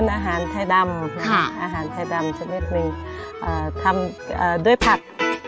อาหารไทยดำชนิดหนึ่งทำด้วยผัก